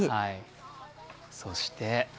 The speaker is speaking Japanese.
そして。